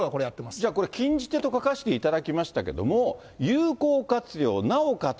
じゃあこれ、禁じ手と書かしていただきましたけれども、有効活用、なおかつ